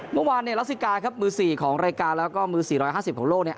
เมื่อวานเนี่ยลักษิกาครับมือสี่ของรายการแล้วก็มือสี่ร้อยห้าสิบของโลกเนี่ย